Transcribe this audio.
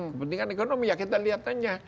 kepentingan ekonomi ya kita lihat aja